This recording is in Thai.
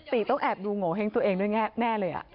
ตรีตกแอบดูโงเฮ้งตัวเองแน่เลยอ่ะ